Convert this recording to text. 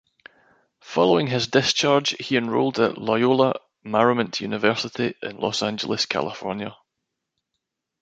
Following his discharge, he enrolled at Loyola Marymount University in Los Angeles, California.